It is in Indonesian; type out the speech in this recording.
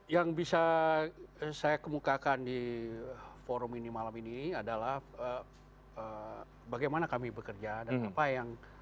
yang bisa saya kemukakan di forum ini malam ini adalah bagaimana kami bekerja dan apa yang